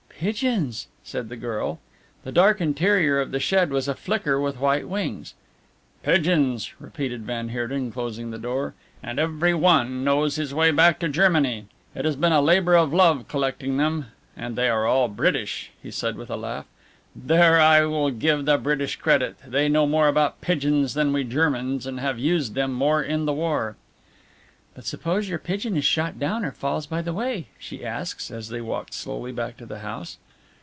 "Pigeons!" said the girl. The dark interior of the shed was aflicker with white wings. "Pigeons!" repeated van Heerden, closing the door, "and every one knows his way back to Germany. It has been a labour of love collecting them. And they are all British," he said with a laugh. "There I will give the British credit, they know more about pigeons than we Germans and have used them more in the war." "But suppose your pigeon is shot down or falls by the way?" she asked, as they walked slowly back to the house.